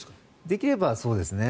できればそうですね。